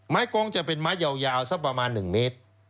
กองจะเป็นไม้ยาวสักประมาณ๑เมตร